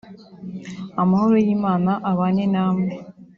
Amahoro y’Imana abane namwe